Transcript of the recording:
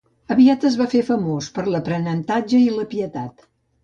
Aviat es va fer famós per l'aprenentatge i la pietat.